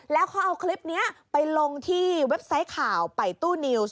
แล้วเขาเอาคลิปนี้ไปลงที่เว็บไซต์ข่าวไปตู้นิวส์